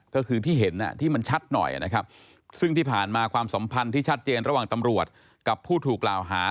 ก็คือที่เห็นที่มันชัดหน่อยนะครับซึ่งที่ผ่านมาความสัมพันธ์ที่ชัดเจนระหว่างตำรวจกับผู้ถูกกล่าวหา